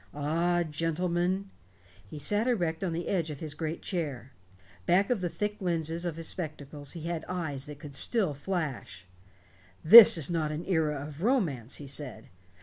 Ah, gentlemen " He sat erect on the edge of his great chair. Back of the thick lenses of his spectacles he had eyes that still could flash. "This is not an era of romance," he said.